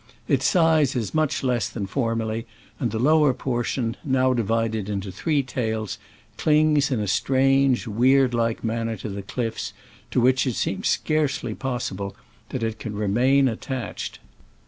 Its size is much less than formerly, and the lower portion, now divided into three tails, clings in a strange, weird like manner \y to the cHffs, to which it seems scarcely possible that it can re main attached.